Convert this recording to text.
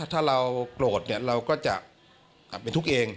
ถ้าเราโกรธเราก็จะเป็นทุกข์เอง